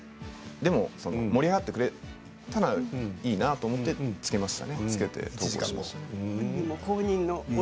でも盛り上がってくれたらいいなと思ってつけました。